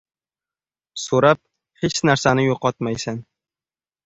• So‘rab hech narsani yo‘qotmaysan.